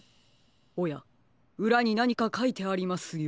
おやうらになにかかいてありますよ。